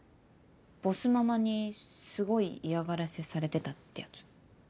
ボスママにすごい嫌がらせされてたってやつ？